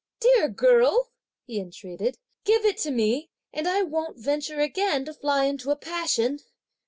"Dear girl!" he entreated, "give it to me, and I won't venture again to fly into a passion."